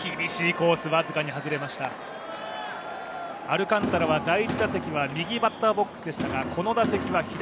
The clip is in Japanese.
アルカンタラは第１打席は右バッターボックスでしたがこの打席は左。